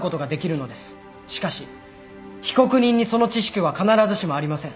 しかし被告人にその知識は必ずしもありません。